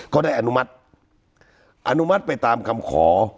ก็ได้อนุมัติอนุมัติไปตามคำขอ